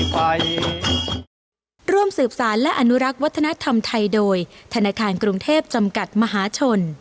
ร่วมสืบสารและอนุรักษ์วัฒนธรรมไทยโดยธนาคารกรุงเทพจำกัดมหาชน